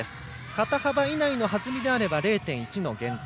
肩幅以内の弾みであれば０．１の減点。